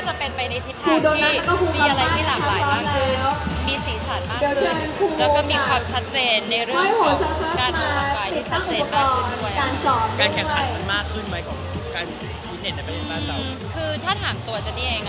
พอที่ลองสะเตียงแล้วทางการที่ตรงเพลงกล่าวของเราได้เลยนะคะ